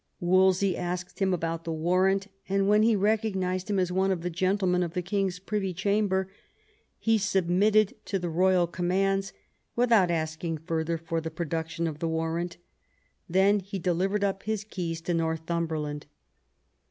Wolsey asked him about the warrant, and when he recognised him as one of the gentlemen of the king'^ privy chamber, he submitted to the royal commands without asking further for the production of the warrant Then he delivered up his keys to Northumberland.